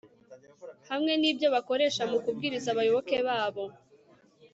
hamwe n'ibyo bakoresha mu kubwiriza abayoboke babo